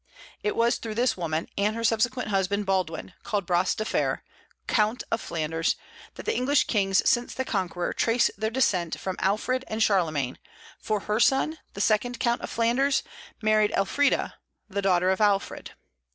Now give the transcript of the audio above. It was through this woman, and her subsequent husband Baldwin, called Bras de Fer, Count of Flanders, that the English kings, since the Conqueror, trace their descent from Alfred and Charlemagne; for her son, the second Count of Flanders, married Elfrida, the daughter of Alfred.